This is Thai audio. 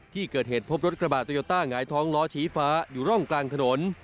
ที่เกิดเหตุพบรถกระบาดโตโยต้าหงายท้องล้อชี้ฟ้าอยู่ร่องกลางถนน